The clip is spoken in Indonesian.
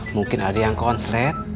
mungkin ada yang konsret